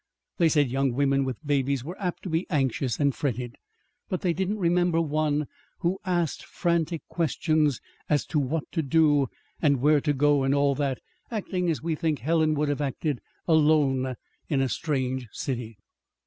(They said young women with babies were apt to be anxious and fretted.) But they didn't remember one who asked frantic questions as to what to do, and where to go, and all that acting as we think Helen would have acted, alone in a strange city."